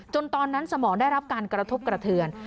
ตอนนั้นสมองได้รับการกระทบกระเทือน